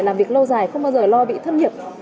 làm việc lâu dài không bao giờ lo bị thất nghiệp